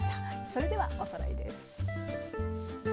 それではおさらいです。